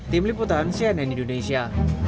tim liputan cnn indonesia